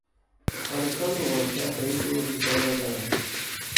Alexandru Oancea a trăit douăzeci de ani la Galați.